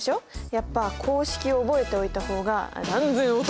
やっぱ公式を覚えておいた方が断然お得。